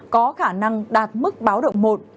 có khả năng đạt mức báo động một